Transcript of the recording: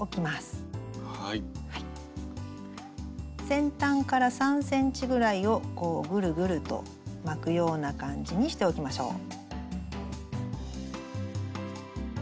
先端から３ｃｍぐらいをこうぐるぐると巻くような感じにしておきましょう。